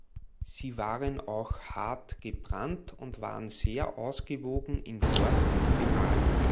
Sie waren auch hart gebrannt und waren sehr ausgewogen in Form und Bemalung.